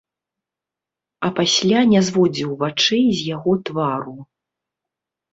А пасля не зводзіў вачэй з яго твару.